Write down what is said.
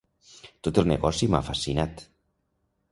Tot el negoci m'ha fascinat.